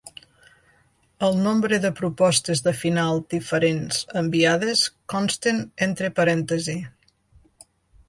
El nombre de propostes de final diferents enviades consten entre parèntesi.